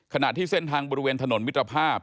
ขณะที่เส้นทางบริเวณถนนมิตรภาพ